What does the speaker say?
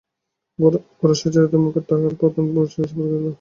গোরা সুচরিতার মুখের দিতে তাহার প্রখর দৃষ্টি একবার স্থাপিত করিল।